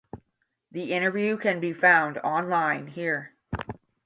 That interview can be found online here.